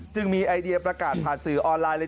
มีไอเดียประกาศผ่านสื่อออนไลน์เลย